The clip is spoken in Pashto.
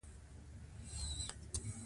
هغه د روژې میاشت کې روژه نیولې ده.